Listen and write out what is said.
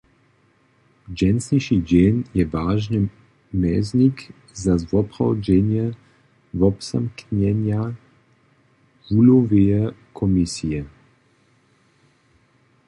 Dźensniši dźeń je wažny měznik za zwoprawdźenje wobzamknjenja wuhloweje komisije.